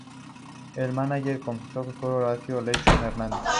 El mánager campeón fue Horacio "Lechón" Hernández.